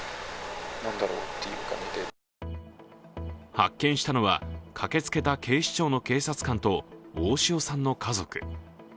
発見したのは駆けつけた警視庁の警察官と大塩さんの家族。